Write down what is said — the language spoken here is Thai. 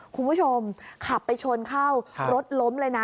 คุณผู้ชมขับไปชนเข้ารถล้มเลยนะ